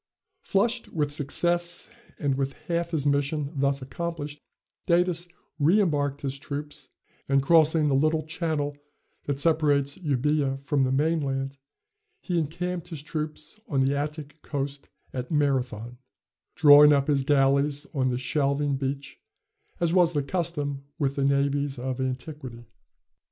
Flushed with success, and with half his mission thus accomplished, Datis reëmbarked his troops, and, crossing the little channel that separates Euboea from the mainland, he encamped his troops on the Attic coast at Marathon, drawing up his galleys on the shelving beach, as was the custom with the navies of antiquity.